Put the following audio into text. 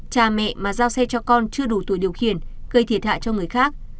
cha mẹ mà giao xe cho con chưa đủ tuổi điều khiển gây thiệt hại cho người khác